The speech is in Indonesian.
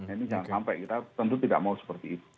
ini jangan sampai kita tentu tidak mau seperti itu